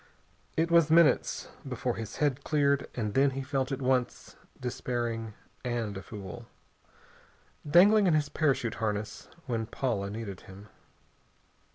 It was minutes before his head cleared, and then he felt at once despairing and a fool. Dangling in his parachute harness when Paula needed him.